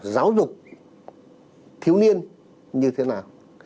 giáo dục thiếu niên như thế nào